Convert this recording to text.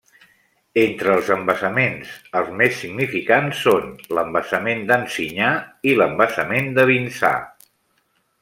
Entre els embassaments, els més significants són l'embassament d'Ansinyà i l'embassament de Vinçà.